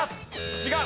違う。